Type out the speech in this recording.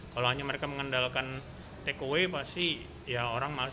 kalau hanya mereka mengandalkan takeaway pasti ya orang males